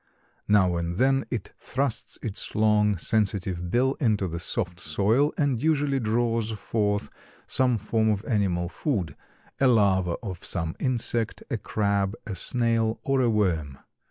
Now and then it thrusts its long sensitive bill into the soft soil and usually draws forth some form of animal food—a larva of some insect, a crab, a snail or a worm.